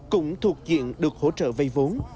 cũng thuộc diện được hỗ trợ vay vốn